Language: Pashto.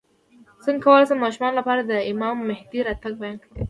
څنګه کولی شم د ماشومانو لپاره د امام مهدي راتګ بیان کړم